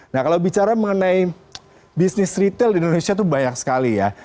nah kalau bicara mengenai bisnis retail di indonesia itu banyak sekali ya